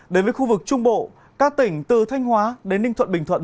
đến với khu vực trung bộ các tỉnh từ thanh hóa đến ninh thuận bình thuận